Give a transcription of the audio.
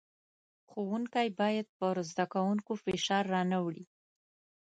ښوونکی بايد پر زدکوونکو فشار را نۀ وړي.